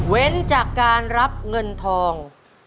จากการรับเงินทอง